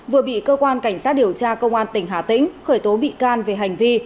vừa bị cơ quan cảnh sát điều tra công an tỉnh hà tĩnh khởi tố bị can về hành vi